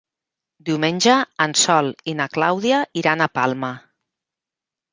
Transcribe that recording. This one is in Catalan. Diumenge en Sol i na Clàudia iran a Palma.